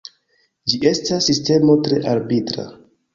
Ĝi estas sistemo tre arbitra.